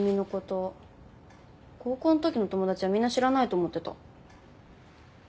高校んときの友達はみんな知らないと思ってた。